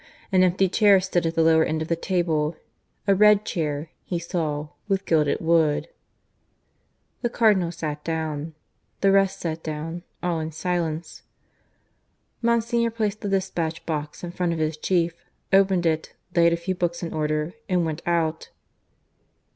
An empty chair stood at the lower end of the table a red chair, he saw, with gilded wood. The Cardinal sat down. The rest sat down, all in silence. Monsignor placed the despatch box in front of his chief, opened it, laid a few books in order, and went out.